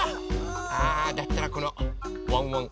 あだったらこのワンワン